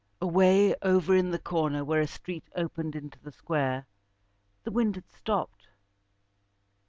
Away over in the corner where a street opened into the square, the wind had stopped.